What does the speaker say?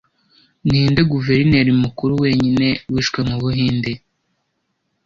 Ninde guverineri mukuru wenyine wishwe mu Buhinde